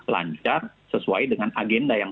lancar sesuai dengan agenda yang